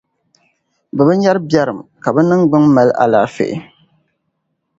bɛ bi nyari biɛrim; ka bɛ niŋgbuna mali alaafee.